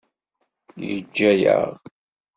Yeǧǧa-aɣ.